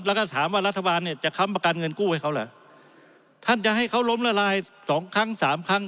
แล้วก็ถามว่ารัฐบาลเนี่ยจะค้ำประกันเงินกู้ให้เขาเหรอท่านจะให้เขาล้มละลายสองครั้งสามครั้ง